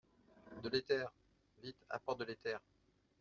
De l’éther !… vite, apporte de l’éther !